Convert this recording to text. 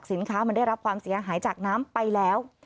สินค้ามันได้รับความเสียหายจากน้ำไปแล้ว